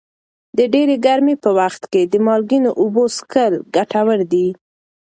د ډېرې ګرمۍ په وخت کې د مالګینو اوبو څښل ګټور دي.